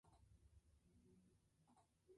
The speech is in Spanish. Tienden a utilizar colores puros.